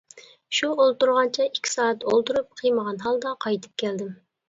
شۇ ئولتۇرغانچە ئىككى سائەت ئولتۇرۇپ قىيمىغان ھالدا قايتىپ كەلدىم.